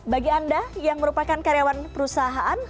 bagi anda yang merupakan karyawan perusahaan